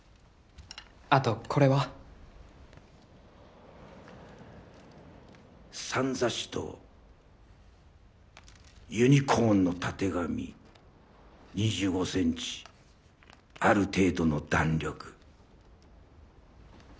あとこれは？サンザシとユニコーンのたてがみ２５センチある程度の弾力